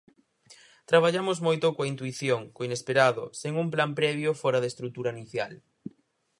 Traballamos moito coa intuición, co inesperado, sen un plan previo fóra da estrutura inicial.